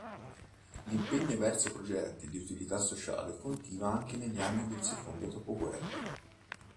L'impegno verso progetti di utilità sociale continua anche negli anni del secondo dopoguerra.